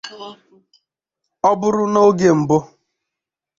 Ọ bụrụ n'oge mbụ